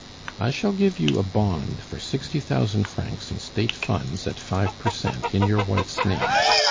I shall give you a bond for sixty thousand francs in State funds at five per cent, in your wife's name.